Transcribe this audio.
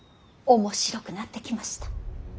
面白くなってきました。